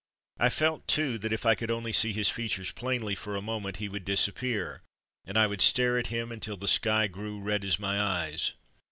I felt, too, that if I could only see his features plainly for a moment he would disappear, and I would stare at him until the sky grew red as my eyes.